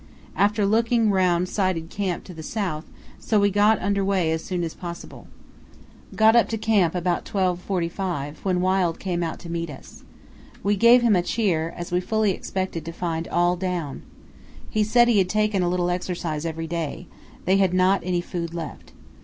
After looking round sighted camp to the south, so we got under way as soon as possible. Got up to the camp about 12.45, when Wild came out to meet us. We gave him a cheer, as we fully expected to find all down. He said he had taken a little exercise every day; they had not any food left.